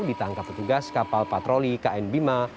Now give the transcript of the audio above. ditangkap petugas kapal patroli kn bima